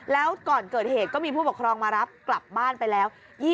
แล้วก่อนเกิดเหตุก็มีผู้ปกครองมารับกลับบ้านไปแล้ว